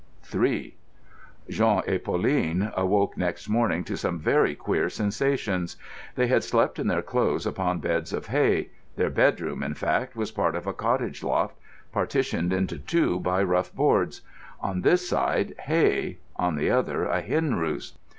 III Jean and Pauline awoke next morning to some very queer sensations. They had slept in their clothes upon beds of hay. Their bedroom, in fact, was part of a cottage loft partitioned into two by rough boards; on this side, hay—on the other a hen roost.